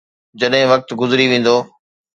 جڏهن وقت گذري ويندو.